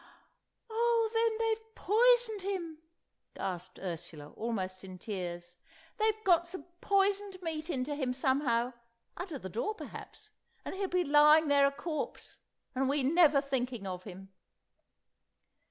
"Oh, then they've poisoned him!" gasped Ursula, almost in tears. "They've got some poisoned meat in to him somehow, under the door perhaps, and he'll be lying there a corpse, and we never thinking of him."